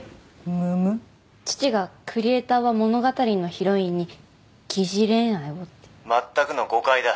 むむっ父がクリエイターは物語のヒロインに疑似恋愛をって「全くの誤解だ」